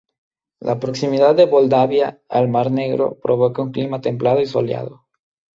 La proximidad de Moldavia al Mar Negro provoca un clima templado y soleado.